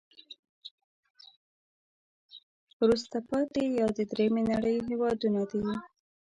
وروسته پاتې یا د دریمې نړی هېوادونه دي.